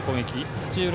土浦